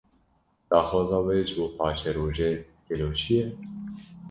Daxwaza we, ji bo paşerojê gelo çi ye?